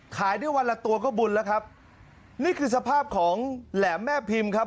ขายได้วันละตัวก็บุญแล้วครับนี่คือสภาพของแหลมแม่พิมพ์ครับ